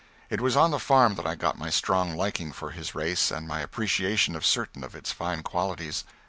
It was on the farm that I got my strong liking for his race and my appreciation of certain of its fine qualities.